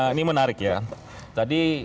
ini menarik ya tadi